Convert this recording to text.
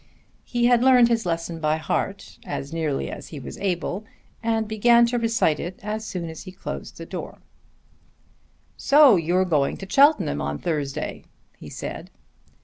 He had learned his lesson by heart as nearly as he was able and began to recite it as soon as he had closed the door. "So you're going to Cheltenham on Thursday?" he said.